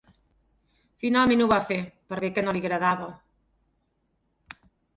Finalment ho va fer, per bé que no li agradava.